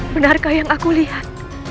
benarkah yang aku lihat